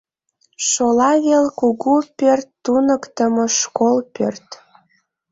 Шола вел кугу пӧрт Туныктымо школ пӧрт.